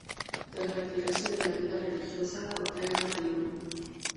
Tras retirarse de la vida religiosa, contrae matrimonio.